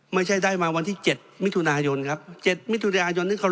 ไม่ใช่ได้มาวันที่๗มิถุนายนครับ๗มิถุนายนนี้